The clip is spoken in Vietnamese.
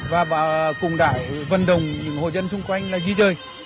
và cùng đại vận đồng những hồ dân xung quanh là di rơi